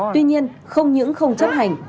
tuy nhiên không những không chấp hành